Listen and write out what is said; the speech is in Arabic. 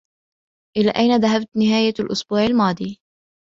إلى أين ذهبت نهاية الأسبوع الماضي؟